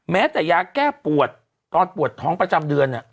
แม้แต่ยาแก้ปวดตอนปวดท้องประจำเดือนเนี่ย